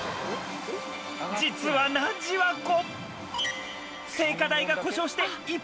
実はなじわ子。